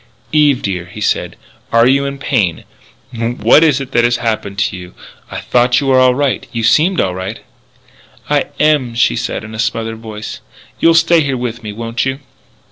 "Eve, dear," he said, "are you in pain? What is it that has happened to you? I thought you were all right. You seemed all right " "I am," she said in a smothered voice. "You'll stay here with me, won't you?"